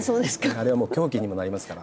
あれはもう凶器にもなりますから。